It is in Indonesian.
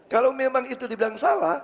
kalau memang itu dibilang salah